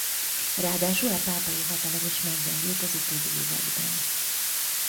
Ráadásul a pápai hatalom is meggyengült az utóbbi években.